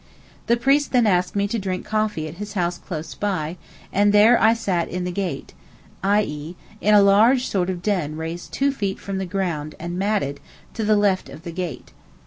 The priest then asked me to drink coffee at his house close by, and there I 'sat in the gate'—i.e., in a large sort of den raised 2 feet from the ground and matted, to the left of the gate.